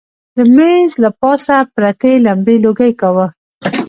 د مېز له پاسه پرتې لمبې لوګی کاوه.